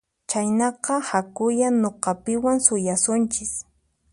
Chaynaqa hakuyá nuqapiwan suyasunchis